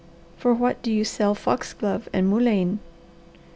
"For what do you sell foxglove and mullein?"